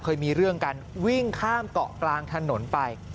เคยมีเรื่องกันวิ่งข้ามเกาะกลางถนนไป